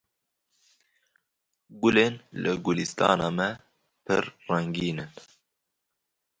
Gulên li gulistana me pir rengîn in.